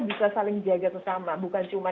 bisa saling jaga bersama bukan cuma